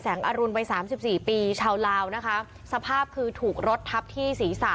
อรุณวัยสามสิบสี่ปีชาวลาวนะคะสภาพคือถูกรถทับที่ศีรษะ